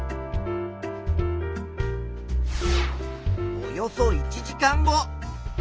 およそ１時間後。